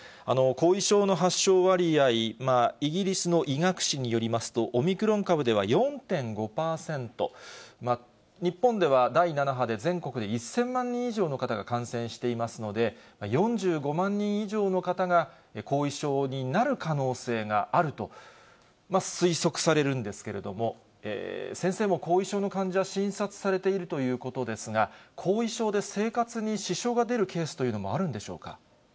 後遺症の発症割合、イギリスの医学誌によりますと、オミクロン株では４．５％、日本では第７波で全国で１０００万人以上の方が感染していますので、４５万人以上の方が後遺症になる可能性があると、推測されるんですけれども、先生も後遺症の患者、診察されているということですが、後遺症で生活に支障が出るケースというのもあるんでしょうか。